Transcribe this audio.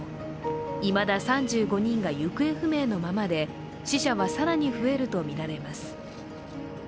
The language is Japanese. いまだ３５人が行方不明のままで死者は更に増えるとみられます。